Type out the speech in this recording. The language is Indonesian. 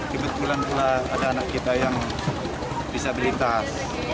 kebetulan pula ada anak kita yang disabilitas